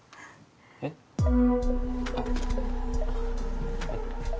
えっ？あっえっと